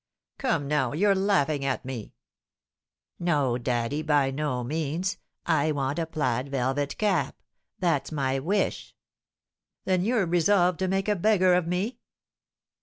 "Come, now, you're laughing at me." "No, daddy, by no means; I want a plaid velvet cap. That's my wish." "Then you're resolved to make a beggar of me?"